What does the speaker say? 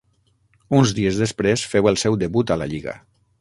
Uns dies després feu el seu debut a la lliga.